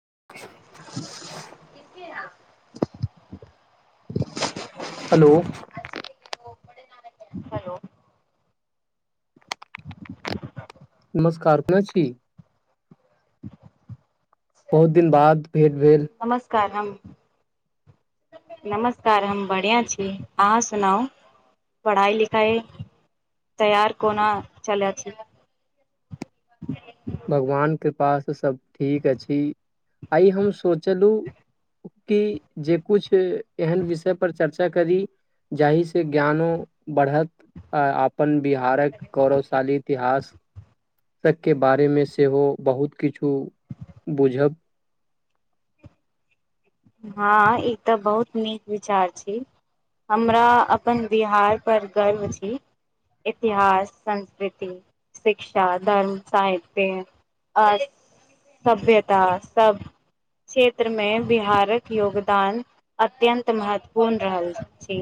[inaudible] Hello hello नमस्कार कोना छी बहुत दिन बाद भेंट भेल नमस्कार हम नमस्कार हम बढ़ियाँ छी अहाँ सुनाउ पढ़ाइ लिखाइ तैयार कोना चल छी भगवान कृपासँ सब ठीक अछि आइ हम सोचलु कि जे कुछ एहन विषय पर चर्चा करी जाहि से ज्ञानो बढ़त आ आप अपन बिहारक गौरवशाली इतिहास शके बारेमे सेहो बहुत किछु बुझब हँ ई तऽ बहुत नीक विचार छी हमरा अपन बिहार पर गर्व छी इतिहास संस्कृति शिक्षा धर्म साहित्य आ सभ्यता सब क्षेत्र मे बिहार योगदान अत्यंत महत्वपूर्ण रहल छी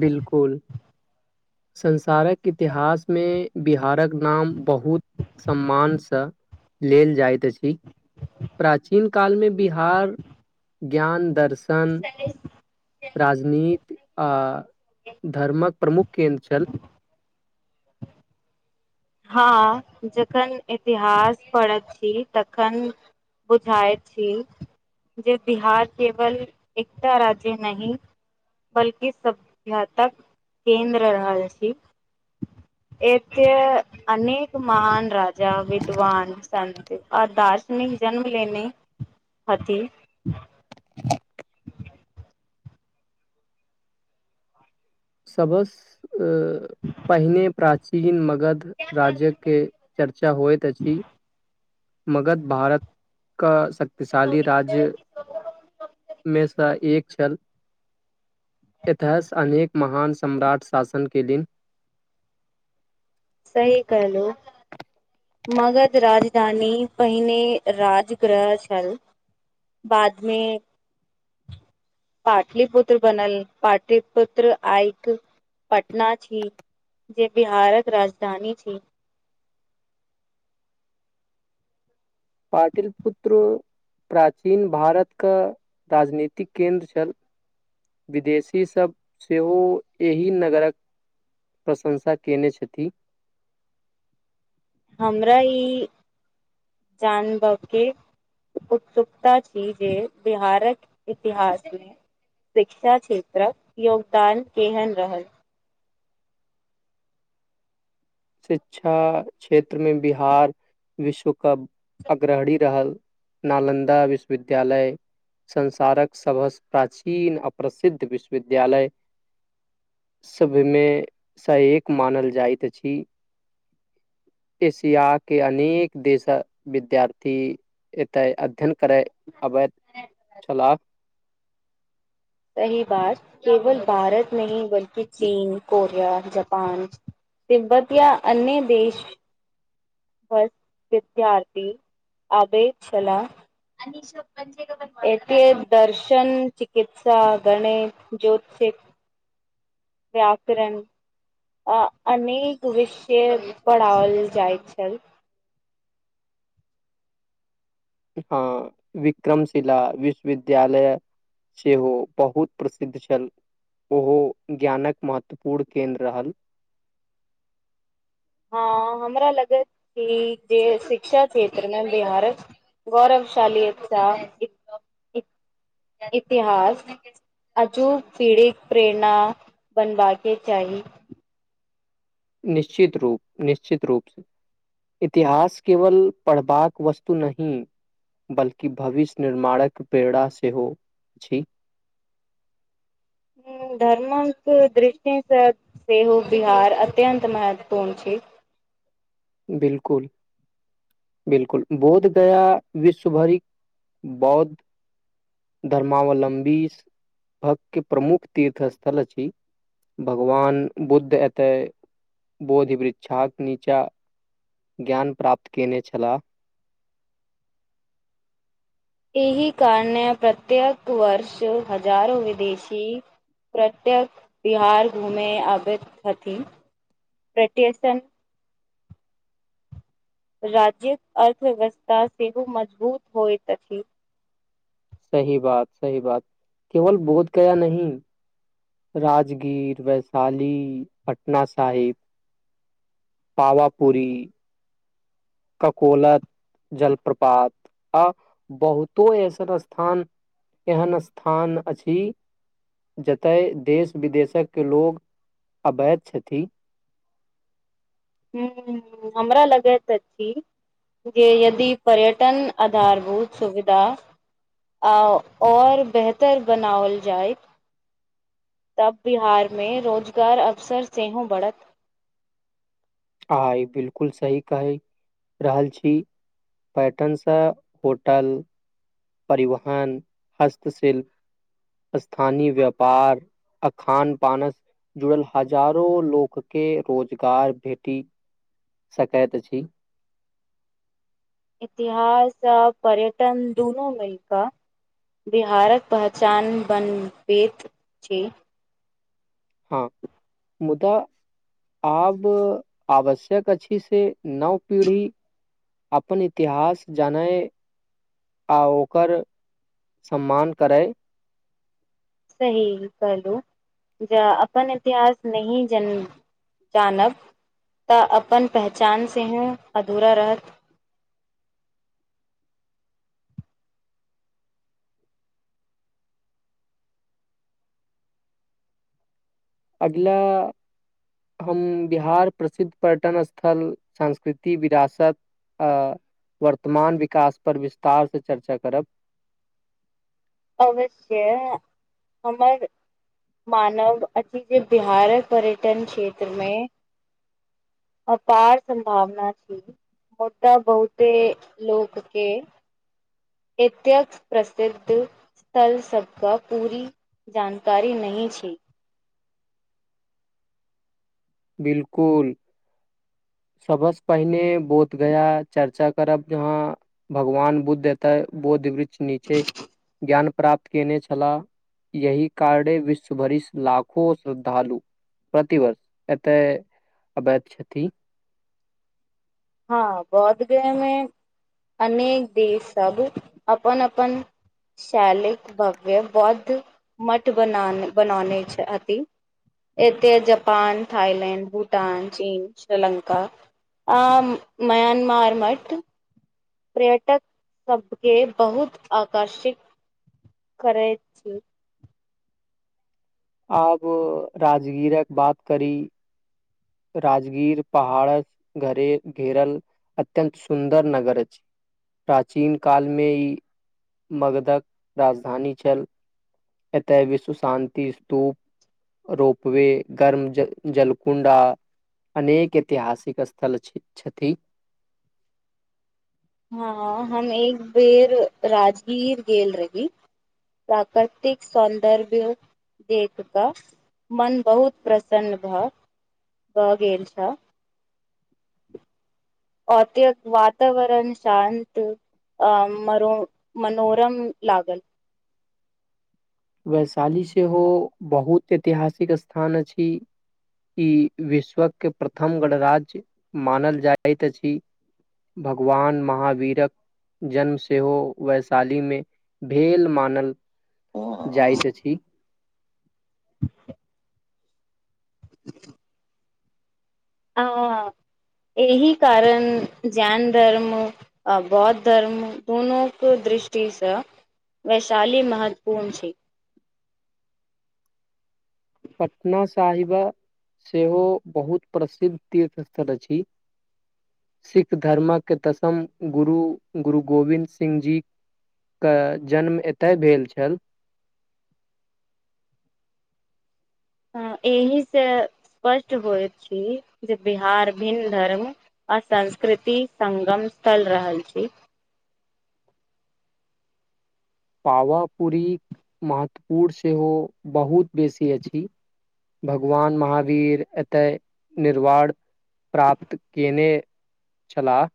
बिलकुल संसारक इतिहास मे बिहारक नाम बहुत सम्मान सँ लेल जाइत अछि प्राचीन काल मे बिहार ज्ञान दर्शन ए [unintelligible] राजनीत आ धर्मक प्रमुख केन्द्र छल ह [unintelligible] हँ जखन इतिहास पढ़ति छी तखन बुझाय छी जे बिहार केवल एकटा राज्य नहि बल्कि सभ्यताक केन्द्र रहल अछि एते अनेक महान राजा विद्वान संत आओर दार्शनिक जन्म लेने हथि सबस पहिने प्राचीन मग ध राजा के चर्चा होइत अछि मगध भारत क शक्तिशाली राज्य मे सऽ एक छल एतहस अनेक महान सम्राट शासन के लेल सही कहलु मगध राजधानी पहिने राजग्रह छल बाद मे पाटलिपुत्र बनल पाटलिपुत्र आइक पटना छी जे बिहारक राजधानी छी पाटिल पुत्र प्राचीन भारत कऽ राजनीतिक केन्द्र छल विदेशी सब सेहो एहि नगरक प्रशंसा केने छथि हमरा ई जान ब के उत्सुकता छी जे बिहारक इतिहास मे शिक्षा क्षेत्रक योगदान केहन रहल शिक्षा क्षेत्र मे बिहार विश्वकप अग्रहरी रहल नालन्दा विश्वविद्यालय संसारक सबसँ प्राचीन आ प्रसिद्ध विश्वविद्यालय सब मे सँ एक मानल जाइत अछि एशिया के अनेक देश विद्यार्थी एते अध्ययन करै अबैत छलाह सही बात केवल भारत नही बल्कि चीन कोरिया जापान तिब्बत या अन्य देश पर विद्यार्थी आबै छलाह एते दर्शन चिकित्सा गणित ज्योतिषी व्याकरण आ अनेक विषय पढ़ओल जाइत छल हँ विक्रमशिला विश्वविद्यालय सेहो बहुत प्रसिद्ध छल ओहो ज्ञानक महत्वपूर्ण केन्द्र रहल हँ हमरा लगति कि जे शिक्षा क्षेत्र मे बिहारक गौरवशालि इतिहास अचूक पीढ़ीक प्रेरणा बनबा के चाही निश्चित रूप निश्चित रूप सँ इतिहास केवल पढ़बाक वस्तु नही बल्कि भविष्य निर्माणक प्रेरणा सेहो छै ह धर्मक दृष्टिसँ सेहो बिहार अत्यंत महत्वपूर्ण छै बिल्कुल बिलकुल बौद्ध गया विश्व भरि बौद्ध धर्मावलम्बी भक्त के प्रमुख तीर्थ स्थल अछि भगवान बुद्ध एतै बोध वृक्षाक नीचाँ ज्ञान प्राप्त केने छलाह इहि कारणे प्रत्येक वर्ष हजारो विदेशी प्रत्यक बिहार घूमे आबै छथि प्रत्यसन राज्यक अर्थव्यवस्था सेहो मजबूत होइत अछि सही बात सही बात केवल बोध गया नहि राजगीर वैशाली पटना साहिब पावा पूरी ककोला जलप्रपात आ बहुतो ऐसन स्थान एहन स्थान अछि जतए देश विदेशक के लोग अवति छथि हूं हमरा लगति अछि जे यदि पर्यटन आधारभूत सुविधा आ आओर बेहतर बनाओल जायत तब बिहार मे रोजगार अवसर सेहो बरत आ ई बिलकुल सही कहि रहल छी पैटनसँ होटल परिवहन हस्तशिल स्थानीय व्यापार अ खान पानस जुड़ल हजारो लोक के रोजगार भेटी सकति अछि इतिहास आ पर्यटन दुनू मिल कऽ बिहारक पहचान बनबति छी हँ मुदा आब आवश्यक अछि से नव पीढ़ी अपन इतिहास जानै आ ओकर सम्मान करै सही कहलू जे अपन इतिहास नहि जन् जानब तऽ अपन पहचान से हो अधूरा रहत अगला हम बिहार प्रसिद्ध पर्यटन स्थल संंस्कृति विरासत अ वर्तमान विकास पर विस्तार से चर्चा करब अवश्ये हमर मानव अथी जे बिहार पर्यटन क्षेत्र मे अपार संभावना छी ओत बहुते लोक के एतक प्रसिद्ध स्थल सब क पूरी जानकारी नहि छी बिल्कुल सबह सऽ पहिने बोध गया चर्चा करब जहाँ भगवान बुद्ध एतय बोद्धि वृष नीचे ज्ञान प्राप्त कयने छलाह यहि कारने विश्व भरि लाखो श्रद्धालु प्रतिवर्ष एतय अवति छथि हँ बौद्ध गया मे अनेक देश सब अपन अपन शैल भव्य बौद्ध मठ बना बनाने छति एते जपान थाइलैंड भूटान चीन श्रीलंका आम म्यानमार मठ पर्यटक सब के बहुत आकार्षित करति आब राजगीरक बात करी राजगीर पहाड़ घरे घेरल अत्यन्त सुन्दर नगर अछि प्राचीन काल मे ई मगधक राजधानी छल एतय विश्व शान्ति स्तूप रोपवे गर्म ज जल कुंडा अनेक ऐतिहासिक स्थल छथि हँ हम एक बेर राजगीर गेल रही प्राकृतिक सौन्दर्भ्य देत क मन बहुत प्रसन्न भेऽ गेल छ अतेक वातावरण शान्त आ मरो मनोरम लागल वैशाली सेहो बहुत ऐतिहासिक स्थान अछि ई विश्व के प्रथम गणराज्य मानल जाइत अछि भगवान महावीरक जन्म सेहो वैशाली मे भेल मानल ओ जाइत अछि ह [inaudible] ह अं एहि कारण जैन धर्म आ बौद्ध धर्म दूनू के दृष्टि सँ वैशाली महत्वपूर्ण छै पटना साहिबा सेहो बहुत प्रसिद्ध तीर्थ स्थल अछि सिख धर्मक दशम गुरु गुरु गोविंद सिंह जी के जन्म एतय भेल छनि हँ एहि सँ स्पष्ट होइ छी जे बिहार भिन्न धर्म आ संस्कृति संगम स्थल रहल अछि पावापुरीक महत्व सेहो बहुत बेसी अछि भगवान महावीर एते निर्वाण प्राप्त केने छलाह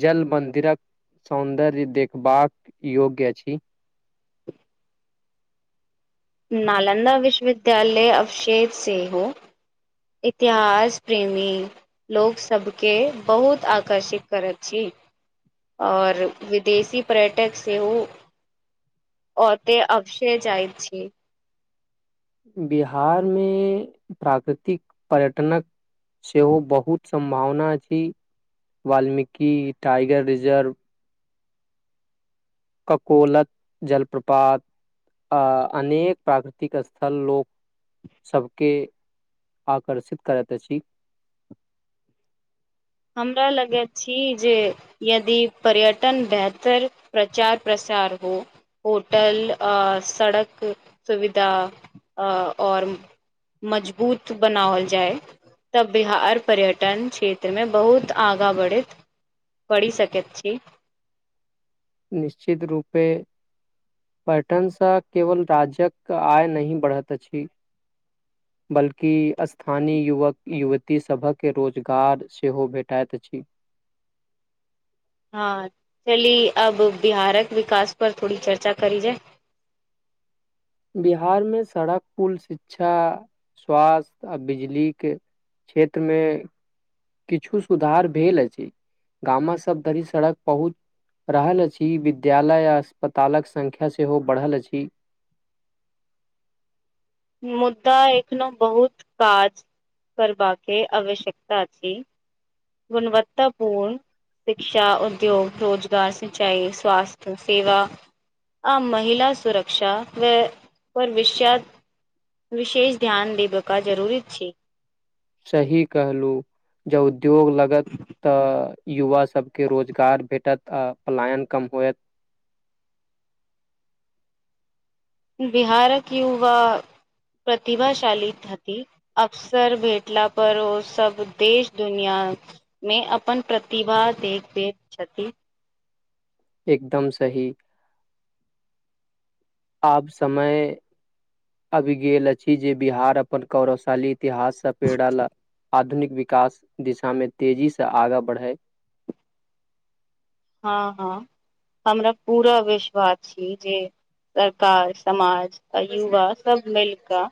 जल मन्दिरक सौन्दर्य देखबाक योग्य अछि नालंदा विश्वविद्यालयक अवशेष सेहो इतिहास प्रेमी लोक सब केँ बहुत आकर्षि करति छी आर विदेशी पर्यटक सेहो ओते अबसे जाइ छी बिहार मे प्राकृतिक पर्यटनक सेहो बहुत सम्भावना अछि वाल्मीकि टाइगर रिजर्व ककोलत जलप्रपात आ अनेक प्राकृतिक स्थल लोक सबके आकर्षित करति अछि हमरा लगै छी जे यदि पर्यटन बेहतर प्रचार प्रसार होइ होटल सड़क सुविधा आओर मजबूत बनाओल जाए तब बिहार पर्यटन क्षेत्र मे बहुत आगाँ बढ़ति बढ़ि सकति छी निश्चित रूपे पर्यटनसँ केवल राजक आय नहि बढ़त अछि बल्कि स्थानी युवक युवती सभक रोजगार सेहो भेटाइत अछि हँ चलि अब बिहारक विकास पर थोड़ि चर्चा करी जाय बिहार मे सड़क पुल शिक्षा स्वास्थ्य आ बिजली के क्षेत्र मे किछु सुधार भेल अछि गाम सब धरि सड़क पहुँच रहल अछि विद्यालय आ अस्पतालक संख्या सेहो बढ़ल अछि मुद्दा एखनो बहुत काज करबाके आवश्यकता छी गुणवत्तापूर्ण शिक्षा उद्योग रोजगार सिंचाई स्वास्थ्य सेवा आ महिला सुरक्षा वे भविष्यक विशेष ध्यान देबाक जरूरी छै सही कहलू जब उद्योग लगत तऽ युवा सबके रोजगार भेटत आ पलायन कम होयत बिहारक युवा प्रतिभाशाली छथि अफसर भेटला पर ओ सब देश दुनिया मे अपन प्रतिभा देख देत छथि एकदम सही आब समय अबि गेल अछि जे बिहार अपन कौरवशाली इतिहाससँ पेड़ल आधुनिक विकास दिशा मे तेजी सऽ आगा बढ़ै हँ हँ हमरा पूरा विश्वास छी जे सरकार समाज आ युवा सब मिल कऽ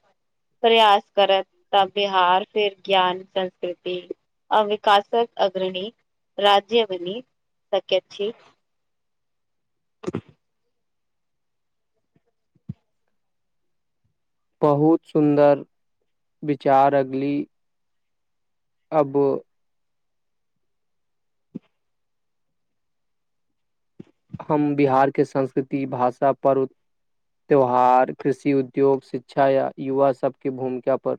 प्रयास करत तब बिहार फिर विज्ञान संस्कृति अ विकासक अग्रणी राज्य बनी सकेत छी हू बहुत सुन्दर विचार अगली अब हम बिहारके संस्कृति भाषा पर्व त्योहार कृषि उद्योग शिक्षा या युवा सबके भूमिका पर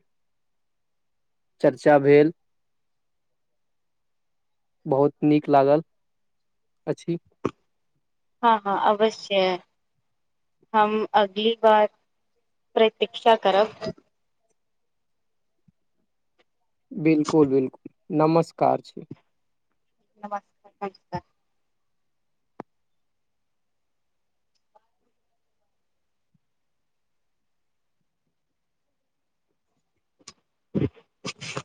चर्चा भेल बहुत नीक लागल अछि हँ हँ अवश्य हम अगली बार प्रतीक्षा करब। बिल्कुल बिल्कुल नमस्कार छी। नमस्कार [inaudible]